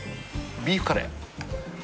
ビーフカレーかな。